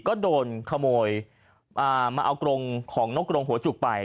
ก็โดนขโมยมาเอากรงของนกกรงหัวจุกไป